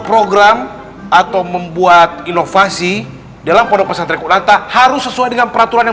program atau membuat inovasi dalam produk pesan trikulanta harus sesuai dengan peraturan yang